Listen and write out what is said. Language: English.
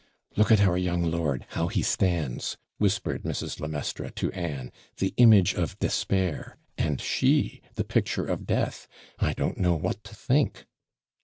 'Look at our young lord, how he stands,' whispered Mrs. le Maistre to Anne, 'the image of despair! And she, the picture of death! I don't know what to think.'